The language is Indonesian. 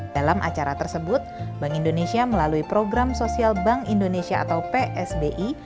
dalam acara tersebut bank indonesia melalui program sosial bank indonesia atau psbi